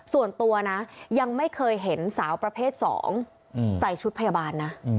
ส่วนตัวนะยังไม่เคยเห็นสาวประเภท๒ใส่ชุดพยาบาลนะ